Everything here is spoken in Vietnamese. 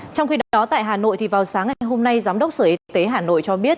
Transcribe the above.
trong khi đó tại hà nội vào sáng ngày hôm nay giám đốc sở y tế hà nội cho biết